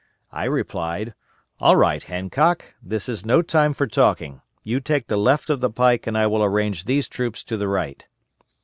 I replied, 'All right, Hancock. This is no time for talking. You take the left of the pike and I will arrange these troops to the right.'